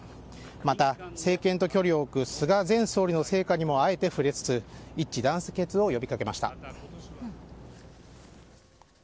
また政権と距離を置く菅前総理の成果もあえて触れつつ一致団結を呼び掛けました。